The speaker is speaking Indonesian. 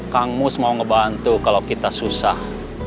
kang mus mau ngebantu kalau kita susah